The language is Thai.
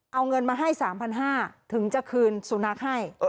เอาเงินมาให้๓๕๐๐บาทถึงจะคืนสุนัขให้